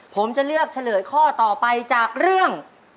ผมจะเลือกเฉลยข้อต่อไปจากเรื่อง